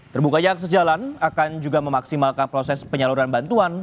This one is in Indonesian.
terbukanya akses jalan akan juga memaksimalkan proses penyaluran bantuan